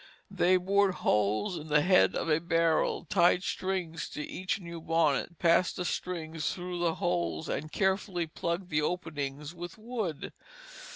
They bored holes in the head of a barrel; tied strings to each new bonnet; passed the strings through the holes and carefully plugged the openings with wood.